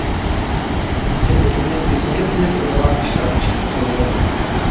كىملىكىمنى ئېسىمگە سېلىپ تۇرىدىغان ئىشلار چىقىپ تۇرىدۇ.